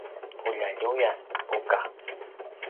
puljaljuyan: buka